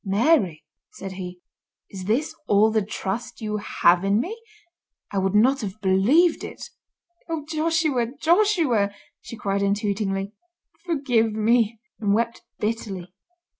"Mary!" said he, "is this all the trust you have in me? I would not have believed it." "Oh, Joshua! Joshua!" she cried entreatingly, "forgive me," and wept bitterly.